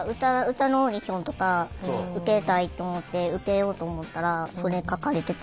歌のオーディションとか受けたいと思って受けようと思ったらそれ書かれてて。